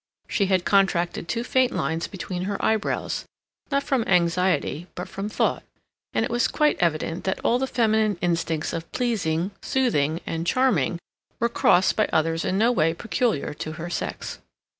She had contracted two faint lines between her eyebrows, not from anxiety but from thought, and it was quite evident that all the feminine instincts of pleasing, soothing, and charming were crossed by others in no way peculiar to her sex.